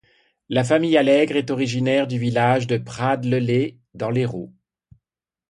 La famille Allègre est originaire du village de Prades-le-Lez dans l'Hérault.